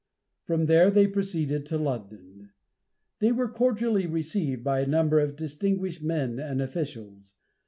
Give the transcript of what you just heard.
From there they proceeded to London. They were cordially received by a number of distinguished men and officials.